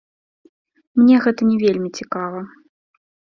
Мне гэта не вельмі цікава.